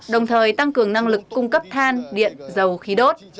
đồng thời tăng cường năng lực cung cấp than điện dầu khí đốt